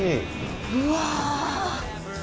うわ。